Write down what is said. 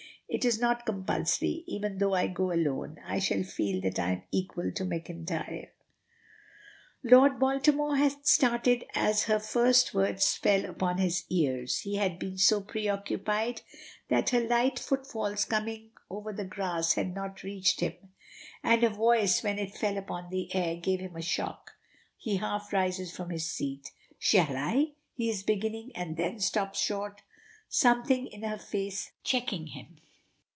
"It is not compulsory even though I go alone, I shall feel that I am equal to McIntyre." Lord Baltimore had started as her first words fell upon his ears. He had been so preoccupied that her light footfalls coming over the grass had not reached him, and her voice, when it fell upon the air, gave him a shock. He half rises from his seat: "Shall I?" he is beginning, and then stops short, something in her face checking him.